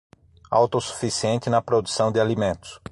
Autossuficiente na produção de alimentos